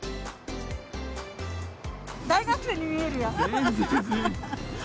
大学生に見えるよ。